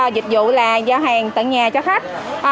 dịch vụ là giao hàng tận nhà cho khách